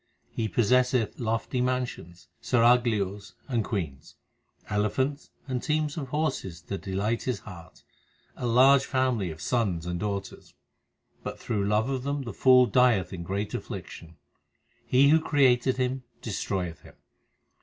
He possesseth lofty mansions, seraglios and queens, Elephants and teams of horses to delight his heart, A large family of sons and daughters ; But through love of them the fool dieth in great affliction. He who created him, destroyeth him.